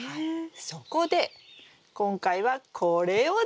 そこで今回はこれを使います。